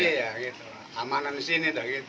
iya gitu amanan disini